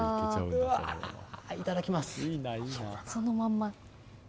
いただきます。